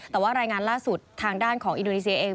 แต่ว่ารายงานล่าสุดทางด้านของอินโดนีเซียเอง